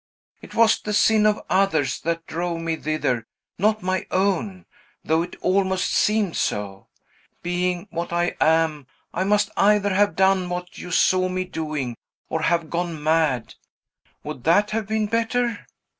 It was the sin of others that drove me thither; not my own, though it almost seemed so. Being what I am, I must either have done what you saw me doing, or have gone mad. Would that have been better?"